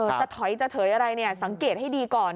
จะถอยจะเถยอะไรเนี่ยสังเกตให้ดีก่อน